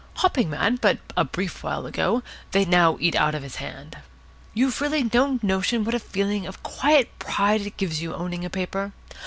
Hopping mad but a brief while ago, they now eat out of his hand. You've really no notion what a feeling of quiet pride it gives you owning a paper.